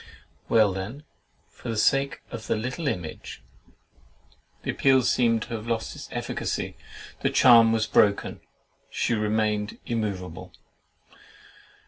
Well, then, for the sake of THE LITTLE IMAGE!" The appeal seemed to have lost its efficacy; the charm was broken; she remained immoveable.